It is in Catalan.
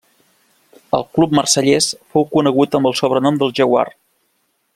Al club marsellès fou conegut amb el sobrenom del jaguar.